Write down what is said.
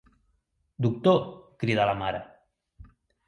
Doctor! –cridà la mare.